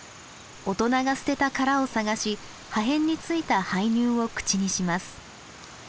大人が捨てた殻を探し破片に付いた胚乳を口にします。